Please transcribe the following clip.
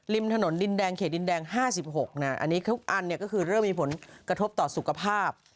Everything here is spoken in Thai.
ถนนดินแดงเขตดินแดง๕๖นะอันนี้ทุกอันเนี่ยก็คือเริ่มมีผลกระทบต่อสุขภาพ